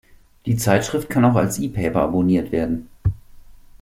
Die Zeitschrift kann auch als E-Paper abonniert werden.